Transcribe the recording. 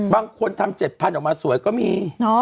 บางคนทำ๗๐๐ออกมาสวยก็มี